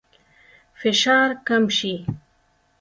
فشار کم شي.